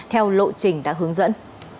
theo lộ trình đã hướng dẫn